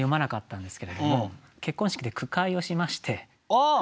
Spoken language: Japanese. ああ！